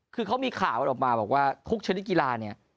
คือเขามีข่าวกันออกมาบอกว่าทุกชนิดกีฬาเนี่ย